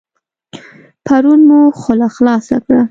پرون مو خوله خلاصه کړه.